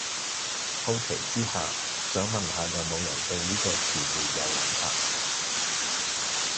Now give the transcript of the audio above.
好奇之下，想問下有無人對呢個詞彙有諗法